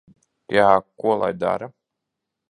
Jā. Ko lai dara?